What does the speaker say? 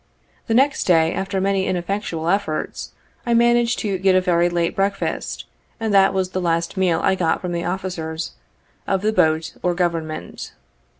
The next day, after many ineffectual efforts, I managed to get a very late breakfast, and that was the last meal I got from the officers of the boat or Government.